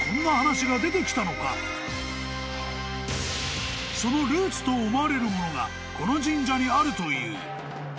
［そのルーツと思われるものがこの神社にあるという］